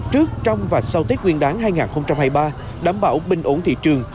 trước trong và sau tết nguyên đáng hai nghìn hai mươi ba đảm bảo bình ổn thị trường